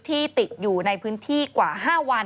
ที่ติดอยู่ในพื้นที่กว่า๕วัน